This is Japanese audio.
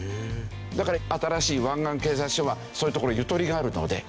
だから新しい湾岸警察署はそういうところゆとりがあるので。